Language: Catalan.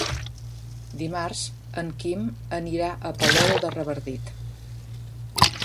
Dimarts en Quim anirà a Palol de Revardit.